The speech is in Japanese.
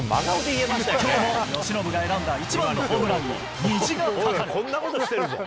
きょうも由伸が選んだ一番のホームランに虹がかかる。